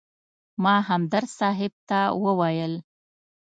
ما همدرد صاحب ته وویل.